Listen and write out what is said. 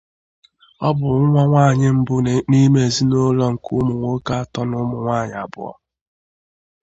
Ọ bụ nwa nwanyị mbụ n’ime ezinụlọ nke ụmụ nwoke atọ na ụmụ nwanyị abụọ.